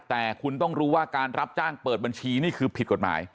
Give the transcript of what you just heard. แต่คุณต้องรู้ว่าการรับจ้างเปิดบัญชีนี่คือผิดกฎหมาย